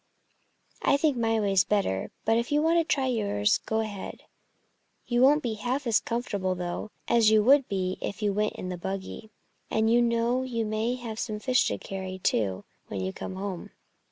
"I think my way's better. But if you want to try yours, go ahead! You won't be half as comfortable, though, as you would be if you went in the buggy. And you know you may have some fish to carry, too, when you come home."